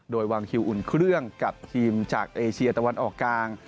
โดยวางคิวอุ่นเครื่องกับทีมจากเอเชียตะวันออกกลาง